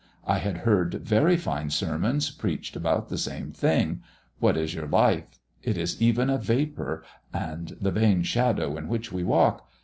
I had heard very fine sermons preached about the same thing: 'What is our life, it is even a vapour,' and the 'vain shadow' in which we walk.